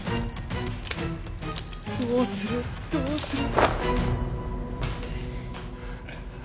どうする？どうする？